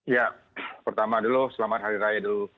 ya pertama dulu selamat hari raya dulu